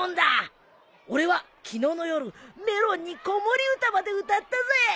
俺は昨日の夜メロンに子守歌まで歌ったぜ。